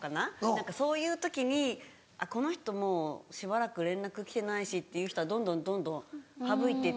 何かそういう時にあっこの人もうしばらく連絡来てないしっていう人はどんどんどんどん省いてってしまって。